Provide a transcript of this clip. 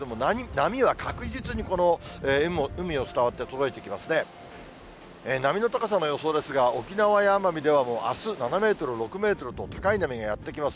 波の高さの予想ですが、沖縄や奄美ではもうあす、７メートル、６メートルと高い波がやって来ます。